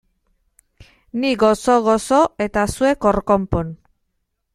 Ni gozo-gozo eta zuek hor konpon!